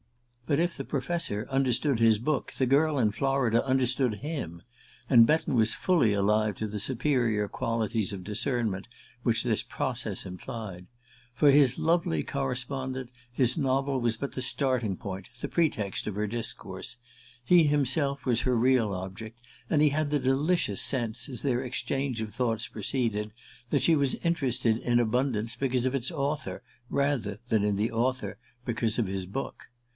But if the professor understood his book, the girl in Florida understood him; and Betton was fully alive to the superior qualities of discernment which this process implied. For his lovely correspondent his novel was but the starting point, the pretext of her discourse: he himself was her real object, and he had the delicious sense, as their exchange of thoughts proceeded, that she was interested in "Abundance" because of its author, rather than in the author because of his book.